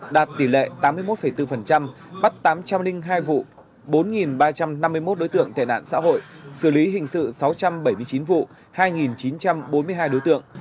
đạt tỷ lệ tám mươi một bốn bắt tám trăm linh hai vụ bốn ba trăm năm mươi một đối tượng tệ nạn xã hội xử lý hình sự sáu trăm bảy mươi chín vụ hai chín trăm bốn mươi hai đối tượng